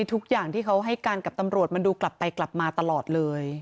ทุกอย่างที่เขาให้การกับตำรวจมันดูกลับไปกลับมาตลอดเลย